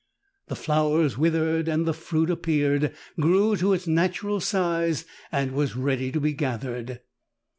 The flowers withered and the fruit appeared, grew to its nat ural size and was ready to be gathered.